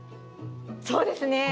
そうですね。